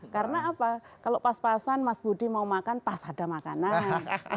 karena apa kalau pas pasan mas budi mau makan pas ada makanan